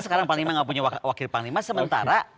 sekarang panglima nggak punya wakil panglima sementara